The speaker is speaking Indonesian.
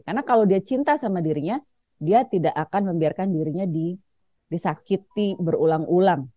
karena kalau dia cinta sama dirinya dia tidak akan membiarkan dirinya disakiti berulang ulang